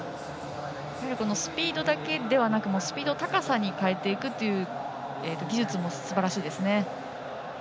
スピードだけではなくスピードを高さに変えていくという技術もすばらしいですね。